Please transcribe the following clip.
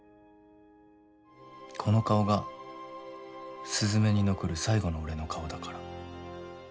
この顔が鈴愛に残る最後の俺の顔だから。